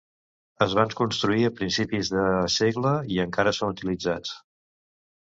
Es van construir a principis de segle i encara són utilitzats.